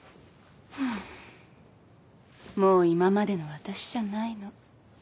もう今までの私じゃないの。